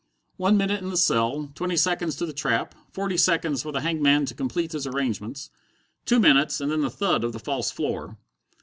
One minute in the cell, twenty seconds to the trap, forty seconds for the hangman to complete his arrangements: two minutes, and then the thud of the false floor.